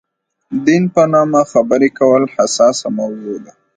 دین په نامه خبرې کول حساسه موضوع ده.